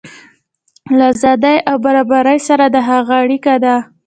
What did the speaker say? له ازادۍ او برابرۍ سره د هغه اړیکه ده.